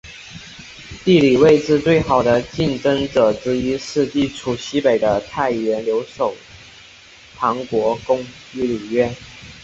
地理位置最好的竞争者之一是地处西北的太原留守唐国公李渊。